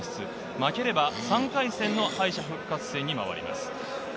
負ければ３回戦を敗者復活戦に回ります。